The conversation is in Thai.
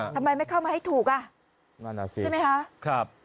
ทำไมไม่เข้ามาให้ถูกอ่ะใช่มั้ยคะ